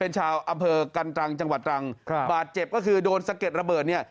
ชาวอำเภอกันตรังจังหวัดตรังบาดเจ็บก็คือโดนสะเก็ดระเบิดเนี่ย